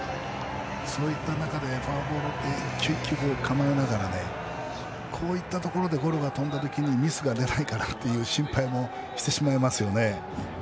そういった中でフォアボールというのはこういったところでゴロが飛んだときにミスが出ないかなという心配をしてしまいます。